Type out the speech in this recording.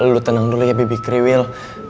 lo tenang dulu ya bebek kriwil